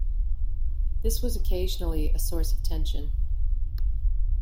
This was occasionally a source of tension.